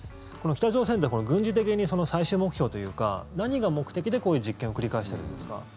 北朝鮮って軍事的に最終目標というか何が目的でこういう実験を繰り返してるんですか？